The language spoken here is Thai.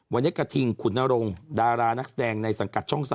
วันนี้กระทิงขุนนรงดารานักแสดงในสังกัดช่อง๓